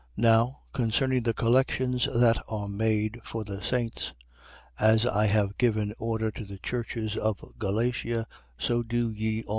16:1. Now concerning the collections that are made for the saints: as I have given order to the churches of Galatia, so do ye also.